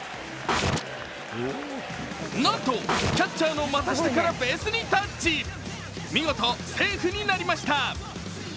なんと、キャッチャーのまた下からベースにタッチ見事、セーフになりました。